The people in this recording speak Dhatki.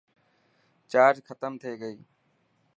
چارج ختم ٿي گئي.